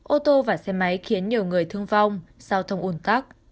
ô tô và xe máy khiến nhiều người thương vong giao thông ủn tắc